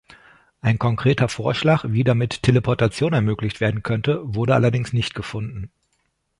Ein konkreter Vorschlag, wie damit Teleportation ermöglicht werden könnte, wurde allerdings nicht gefunden.